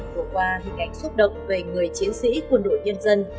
vừa qua hình ảnh xúc động về người chiến sĩ quân đội nhân dân